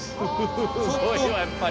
すごいわやっぱり。